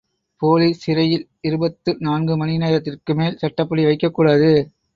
Police சிறையில் இருபத்து நான்கு மணி நேரத்திற்குமேல் சட்டப்படி வைக்கக்கூடாது.